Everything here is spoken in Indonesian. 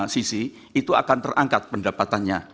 sisi itu akan terangkat pendapatannya